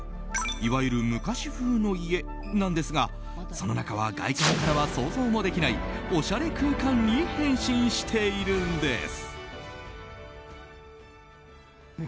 いわゆる昔風の家なんですがその中は外観からは想像もできないおしゃれ空間に変身しているんです。